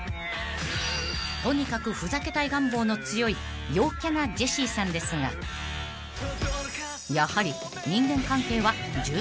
［とにかくふざけたい願望の強い陽キャなジェシーさんですがやはり］